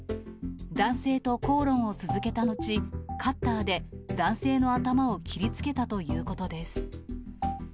男性と口論を続けたのち、カッターで男性の頭を切りつけたということです。